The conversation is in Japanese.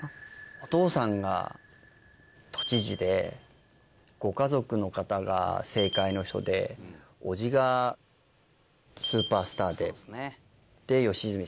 お父さんが都知事でご家族の方が政界の人で叔父がスーパースターでで良純さん。